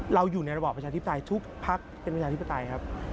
เราอยู่ในระบอบประชาธิปไตยทุกพักเป็นประชาธิปไตยครับ